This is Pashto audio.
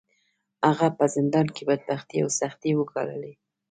هغه په زندان کې بدبختۍ او سختۍ وګاللې.